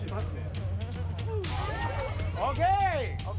ＯＫ！